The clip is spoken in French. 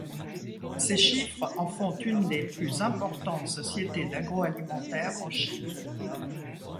Ces chiffres en font une des plus importantes sociétés d'agro-alimentaire en Chine.